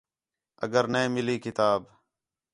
اگر نے مِلی کتاب